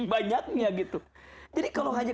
banyaknya gitu jadi kalau hanya